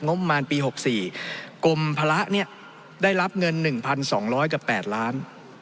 งบประมาณปี๑๙๖๔กรมภาระได้รับเงิน๑๒๐๐กับ๘ล้าน